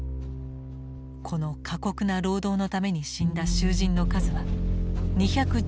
この過酷な労働のために死んだ囚人の数は２１１人に達した。